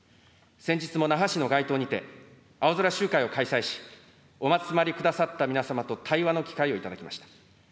先日も那覇市の街頭にて、青空集会を開催し、お集まりくださった皆様と対話の機会を頂きました。